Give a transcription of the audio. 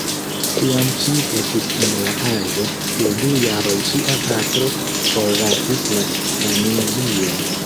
Kiam ŝi estis en la aĝo de du jaroj ŝia patro forlasis la familion.